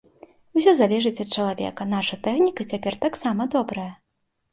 Усё залежыць ад чалавека, наша тэхніка цяпер таксама добрая.